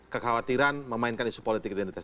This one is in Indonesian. kekhawatiran memainkan isu politik identitas